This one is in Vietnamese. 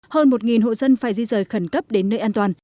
hơn một hộ dân phải di rời khẩn cấp đến nơi an toàn